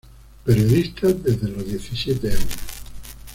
Periodista desde los diecisiete años.